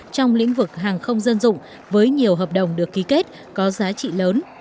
trong lĩnh vực hàng không dân dụng với nhiều hợp đồng được ký kết có giá trị lớn